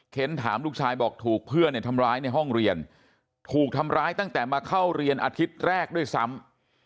ถามลูกชายบอกถูกเพื่อนเนี่ยทำร้ายในห้องเรียนถูกทำร้ายตั้งแต่มาเข้าเรียนอาทิตย์แรกด้วยซ้ำ